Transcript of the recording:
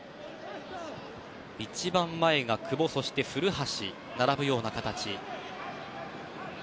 一番前が久保、そして古橋と並ぶような形。